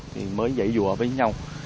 thì mới dậy dùa với nhau